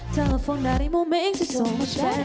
telepon darimu make you so much better